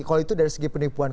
kalau itu dari segi penipuan